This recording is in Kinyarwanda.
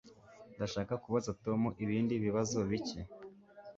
Ndashaka kubaza Tom ibindi bibazo bike.